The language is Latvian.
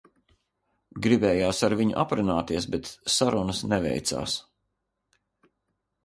Gribējās ar viņu aprunāties, bet sarunas neveicās.